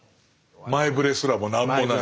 前触れすらも何もないっていう。